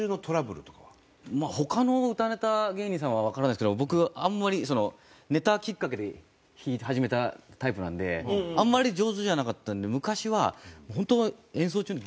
まあ他の歌ネタ芸人さんはわからないですけど僕あんまりネタきっかけで始めたタイプなんであんまり上手じゃなかったんで昔は。